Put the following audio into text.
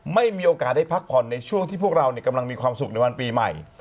ไม่มีโอกาสได้พักผ่อนในช่วงที่พวกเรากำลังมีความสุขในวันปีใหม่